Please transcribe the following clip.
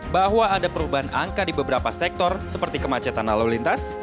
bahwa ada perubahan angka di beberapa sektor seperti kemacetan lalu lintas